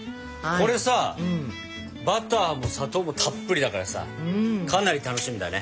これさバターも砂糖もたっぷりだからさかなり楽しみだね。